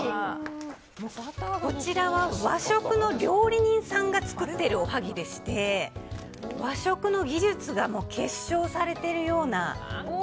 こちらは和食の料理人さんが作ってるおはぎでして和食の技術が結晶されているような。